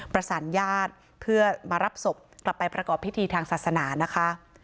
ประสานญาติเพื่อมารับศพกลับไปประกอบพิธีทางศาสนานะคะ